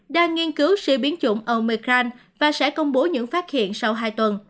đang nghiên cứu siêu biến chủng omecrand và sẽ công bố những phát hiện sau hai tuần